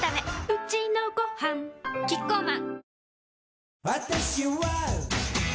うちのごはんキッコーマン